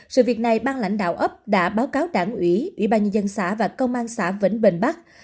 sự việc này ban lãnh đạo ấp đã báo cáo đảng ủy ủy ban nhân dân xã và công an xã vĩnh bình bắc